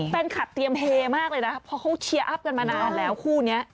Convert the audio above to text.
แฟนคลับเตรียมเฮมากเลยนะเพราะเขาเชียร์อัพกันมานานแล้วคู่นี้